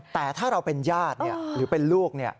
แต่ถ้าเราเป็นญาติหรือเป็นลูก